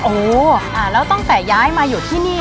โอ้โหแล้วตั้งแต่ย้ายมาอยู่ที่นี่